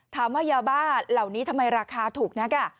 ถามว่ายาบ้าเหล่านี้ทำไมราคาถูกนัก